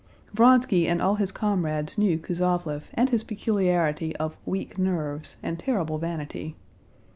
Vronsky and all his comrades knew Kuzovlev and his peculiarity of "weak nerves" and terrible vanity.